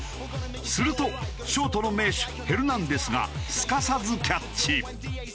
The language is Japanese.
するとショートの名手ヘルナンデスがすかさずキャッチ。